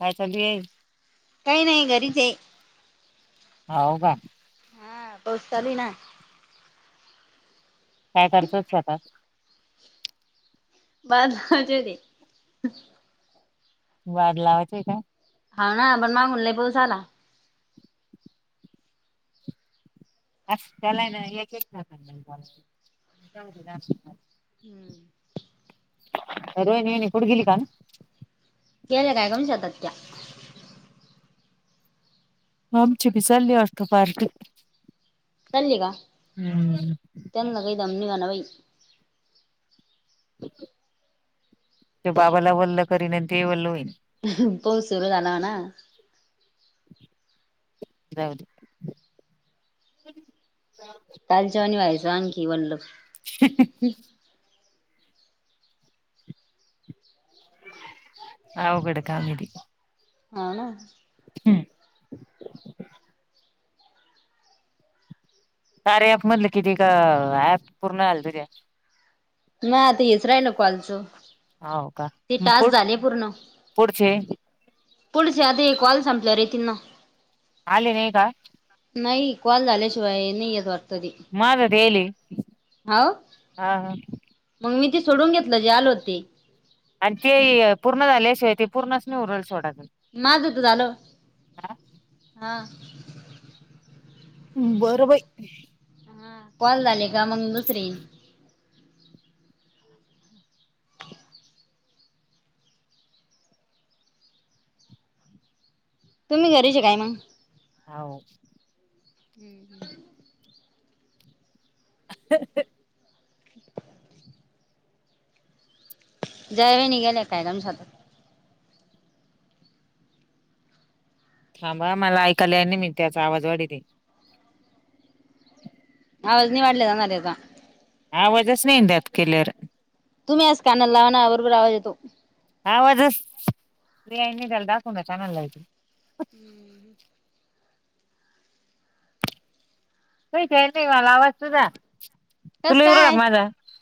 काय चालू येईल काही नाही घरीच आहे हो का हा पोसताली ना काय करतोच आता बज ते वाद लावाचे काय हा ना पण मागून ल पोसला अस त्याला ना एकचकार नाही हम्म. रोहिणी वहिणी पुढे गेली काण केल कााकम शतत मामच पिसाली वथ पाारट चाललीय का त्यांना काही दम निघा ना बाई ते बाबाला वल्ल करीन ते वल्ल होईन प सुरू झाला ना जाऊल काालच्यावानी व्हायचं आणखी वणल ह उघड कामरी ह ना कारी ॲप म्हधलं किती का ऍप पूर्ण झाले तुझे माझं तीच राहिलं कॉलचं होव का ते टास्क पु झाले पुढचे पुढे च आता कॉल संपल्यावर येतील ना आल नाही का नाही क्ॉल झाल्याशिवाय नाही येत वाटते माझं तर यायलाय हाव हा हा मग मी तेी सोडून घेतलं जे आले होते आणि ते पूर्ण झाल्याशिवाय ते पूर्णच मी उरल सोडा माझे तर झाले हा बरं बाई हा कॉल झाले का ना मग [unintelligible] तुम्ही घरीचे काय मग हो हम्म हम् [unintelligible] जया वहिनी गेले का थांबा मला ऐकाले आहे मी त्याचा आवाज वाढले आवज नाही वाढले का आवाजच नाही क्लिअर तुम्ही आस काना लावना बरोबर आवाज येतो [unintelligible] हम्म तुझा आवाज मला काही कळत नाही कस काय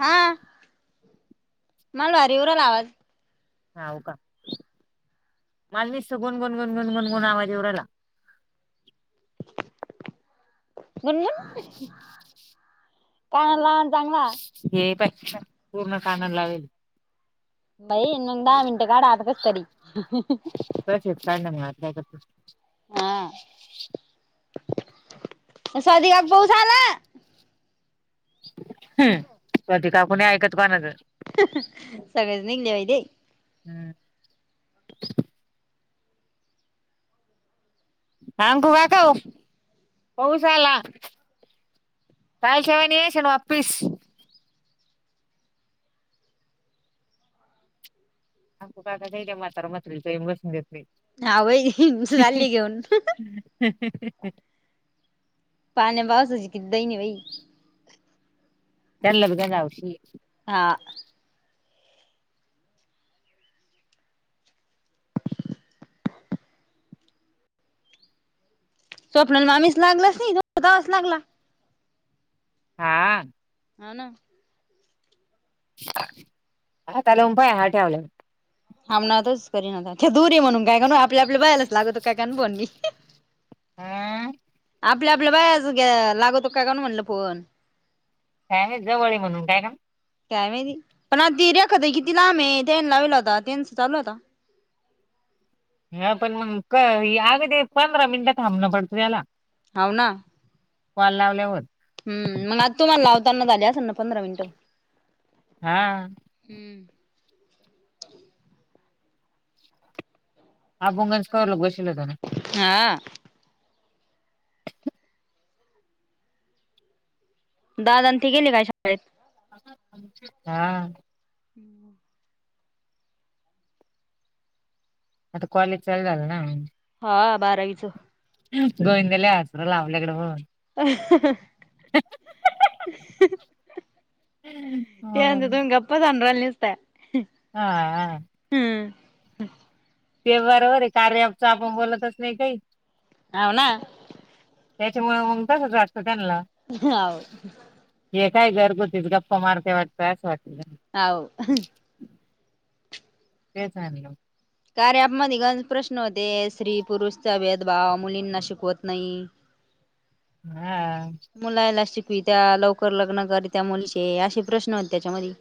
हा मला येऊ राहिलाय आवाज हाऊ का माल नसत गणगण गणगणगणगुण आवाज येऊ राहिला गुन गुन कानाला लावाना चांगला हे बाई पूर्ण कान लावेल बाई दहा मिनिटं काढा कसतरी [unintelligible] हा [unintelligible] हम स्वाती काकू कोणाचा ऐकत नाही सगळेच निघले बाई हम्म सांगू का काऊ पाऊस आला [unintelligible] हा बाई [unintelligible] चालली घेऊन ह [unintelligible] चला का गावची हा स्वप्नान मामीच लागलास नाही ततावाच लागला हा हना आता लावून पाय माझे ठेवल्यावर ांबणतच करी न दुरी म्हणून काय काण आपल्या आपल्या बायलाच लागत काय काण पण आा आपल्या आपल्या बायज्या लागवतो काय काण म्हणल फोन काम जवळी म्हणून काय का त्यावे पण आ ती रेखात किती लांबे त्यान लावला होता त्यांनस चालू होता ह पण मग अगदी पंधरा मिनिटं थांबणं पडतं त्याला अवना वाल लावल्या होत हम् मग आज तुम्हाला लावताना झाले असं ना पंधरा मिनिटं हा [inaudible] अ बोंगनज करला बशल हो त्या हा दादा आणि ती गेली काय शाळेत हा हम् मता कवालेज चलल ना हा बारावीच गोविंदाला आसर लावल्याकडें म्हणून [inaudible] तेंत मग तुम्ही गप्पाचनराल नसता हा ह हम् तेवररे कार्याच आपण बोलतच नाही काही अवना त्याच्यामुळे मग त ह हे काय गर गोतच गप मारतेय वाटत असं वाटत हव तेचलं कार्या मधण प्रश्न होते स्त्री पुरुषचा भेदभाव मुलींना शिकवत नाही [inaudible] हा क त्या लवकर लग्न कर त्या मुलीचे असे प्रश्न होते त्याच्यामध्ये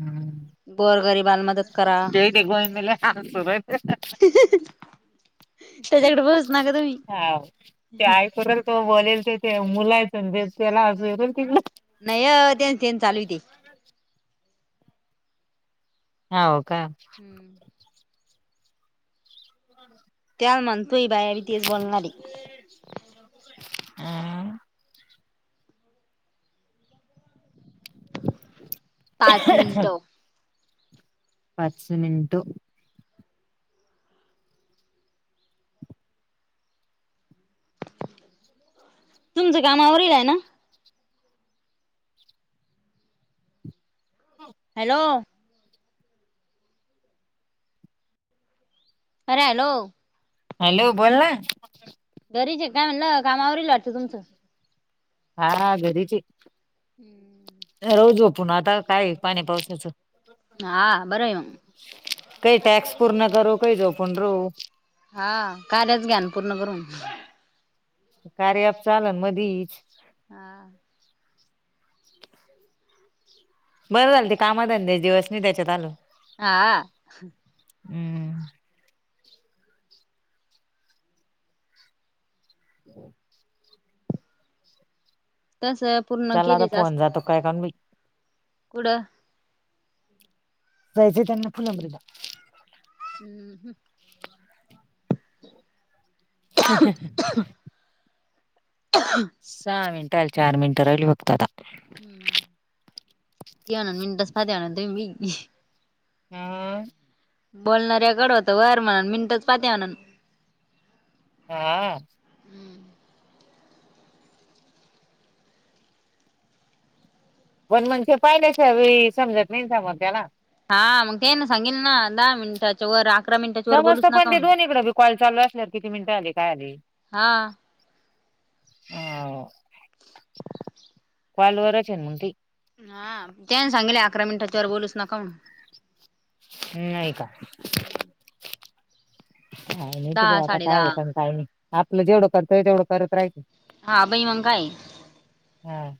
हम्म गोरगरीबाला मदत करा ते ते को मला आय [inaudible] त्याच्याकडे बघूच ना का तुम्ही. हा तेईपरत बलेल ते ते मुलायचंे त्याला नाही अ तेच तेन चालू ते हा ओक हम्म त्याला म्हणतोय बाया बी तेच बोलणारे [inaudible] हह पाच मिनटं पाच मिनटो तुमच कामावरील आहे ना हॅलो अरे हॅलो हॅलो बोल ना घरीच काय म्हणलं, काम आवरील वाटतं तुमचं? हा घरीच येत. हम्म. रोजो पुन आता काय पाणी पावसाच- हा बरं आहे मग. काही टॅक्स पूर्ण करू, काही झोपन राहू. हा कार्याच घ्यान पूर्ण करून- कार्य अँप चालन मधीच. हा. [inaudible] बरं झालं ते काम धंदेच दिवस नाही, त्याच्यात आल. हा. हम्म. हम. [inaudible] तस पूर्ण चला आता, फोन जातो काय करून ब- कुठ? जायचे त्यांना फुलबरीला ह. ह. ह [unintelligible] सहा मिनिट रा [unintelligible] हि चार मिनटं राहिली बघतात आता हम्म त म दसपा त मी [unintelligible] हा. बोलणारऱ्याकड होत वर म्हणा मिनटच [unintelligible] पाात्या म्हन आ.. पण म्हणसेे पाहिले स समजत नाही स [unintelligible] मोर त्याला हा मग काही ना सांगेल ना दहा मिनटाच्या वर मिनिटाच्या वर समजत बोलूच पण, नका ते म्हणून दोन इकड बी कॉल चालू असल्या किती मिनटं आली काय झालं? हा ह. [inaudible] काँलवरच म ती. हा त्या सांगले अकरा मिनिटातच्यावर बोलूच नका म्हणून. नाही का? का नाही, त ब दहा आता साडे काय दहा होतण काही नाही, आपलं जेवढं कर्तव्य तेवढं करत राहिच. हा बई मंग काय. हा.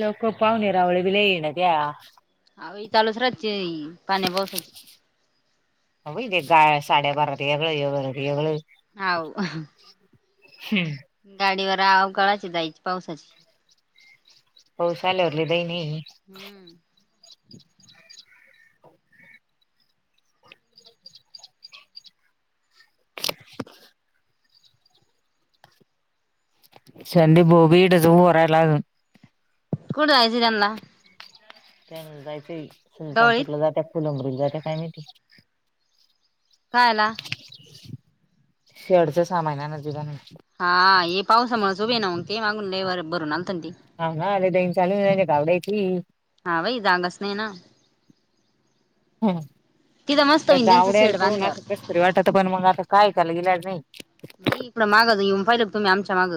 लोक पाव नरावळी बिला येणार त्या्या [unintelligible] अ तळुसराची पाण्या बवसाची [unintelligible] का सडे्या बारदयक यो वतीय [unintelligible] हाव. हम्म. गाडीवर अवकाळाची जायची पावसाची. होसल्यावरले दई नाही [unintelligible] ह [inaudible] [inaudible] डी भोबी इडच होरायलागून [unintelligible] कठयजरला [unintelligible] त्या जायचं गवळीत सुलतानपूरला जात्या फुलंब्रीला जात्यात काय म्हाहीती? कायला? शेडचा सामान नजुब [unintelligible] हा ये पावसामुळेच उभे नाऊन ते मागून भरून आण- हा ना आले दन चालू गावड्याय त [unintelligible] ह व जाांग स् नाही ना [unintelligible] हम्म. तिथं मस्त त्या होईन त्यांचं गवड्याला शेड पहून असं बांधल्यावर कस तरी वाटत. पण मग आता काय त्यालं इलाज नाही. माग येऊन पाहिलं तुम्ही आमच्या माग.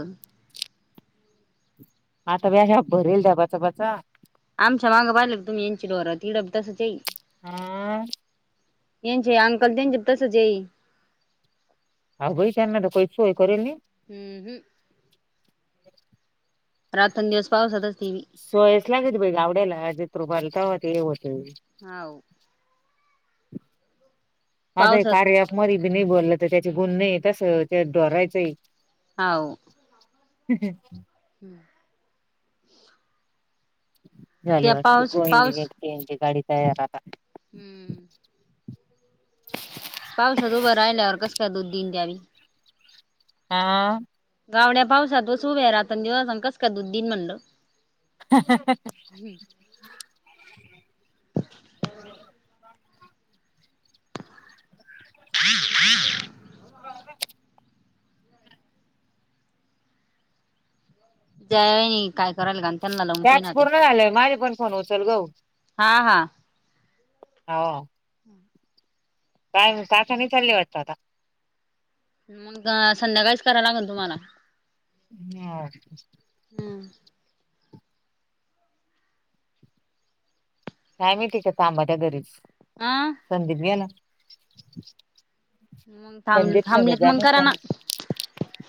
आता व्याज भरेल आता बचापाचा. आमच्या मागं बजले तुम्ही यांची डोर तीडब तसंचईल. ह [inaudible] येनचे अंकल तेन तसंच आहे. हा भाई ना शूय. हम्म हम्.. [inaudible] रात अन दिवस पाऊसातच. सोयस लागते बई ग आवडे्यालाजित रुपलताव ते होते. हव. आता पावसात कार्य अँप. नाही बोललं तर त्याचे गुण नाही तस त्या डोरायचं. हाव. हम् ह.. हम्म.. चाले त्या वात पाऊस पाऊस कोची गाडी तयार आता. हम्म.. पावसात उभं राहिल्यावर कसं काय दूध दिन द्यावी. हा. गावड्या पावसात व सु उभ्या रात दिवसा कस का दुधदीन म्हणलं. ह [inaudible] हो. हम्.. जय काय करायला का. त्यांना लावून टॅक्स पहिना ते पूर्ण झालाय माझे पण फोन उचल गऊ. हा हा हा. काय त खाने चालली वाटत आता. मग संध्याकाळीच करा लागेल तुम्हाला. हम. हम. काय मी ठीक आहे तांबाच्या्या घरीच हा संधीत गेला. मग थांब संदीप थांबलेत मग सरजाने करा ना त्यांनी.